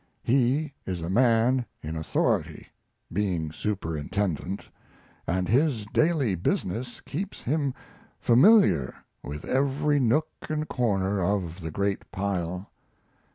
He is a man in authority, being superintendent, and his daily business keeps him familiar with every nook and corner of the great pile.